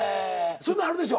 そんなんあるでしょ？